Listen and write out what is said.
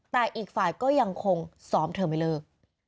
แต่อีกฝ่ายก็ยังคงซ้อมเธอไม่เลิก